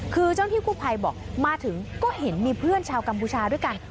คือเจ้าหน้าที่กู้ภัยบอกมาถึงก็เห็นมีเพื่อนชาวกัมพูชาด้วยกัน